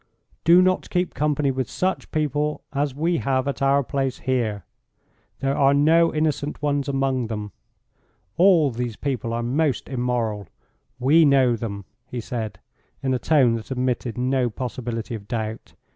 Do not keep company with such people as we have at our place here. There are no innocent ones among them. All these people are most immoral. We know them," he said, in a tone that admitted no possibility of doubt.